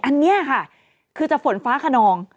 อันนี้ค่ะคือจะฝนฟ้าขนอง